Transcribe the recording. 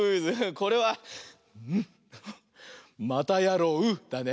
これは「またやろう」だね。